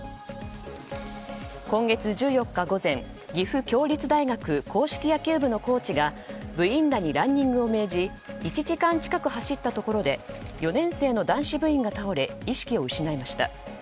今月１４日午前岐阜協立大学硬式野球部のコーチが部員らにランニングを命じ１時間近く走ったところで４年生の男子部員が倒れ意識を失いました。